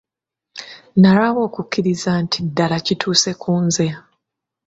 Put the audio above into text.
Nalwawo okukikkiriza nti ddala kituuse ku nze.